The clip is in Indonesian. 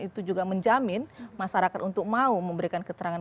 itu juga menjamin masyarakat untuk mau memberikan keterangan